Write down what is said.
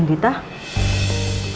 saudari elsa and hindita